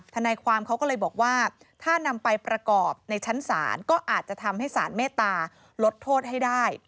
ทนายความเขาก็เลยบอกว่าถ้านำไปประกอบในชั้นศาลก็อาจจะทำให้สารเมตตาลดโทษให้ได้